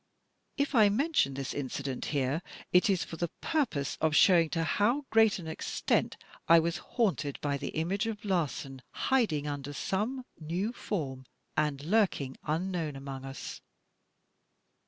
If I mention this incident here, it is for the purpose of 150 THE TECHNIQUE OF THE MYSTERY STORY showing to how great an extent I was haunted by the image of Lar san, hiding under some new form, and lurking unknown among us.